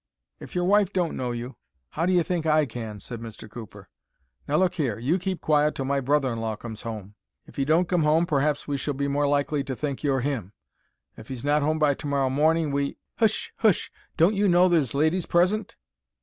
"If your wife don't know you, how do you think I can?" said Mr. Cooper. "Now, look here; you keep quiet till my brother in law comes home. If he don't come home perhaps we shall be more likely to think you're him. If he's not home by to morrow morning we—Hsh! Hsh! Don't you know there's ladies present?"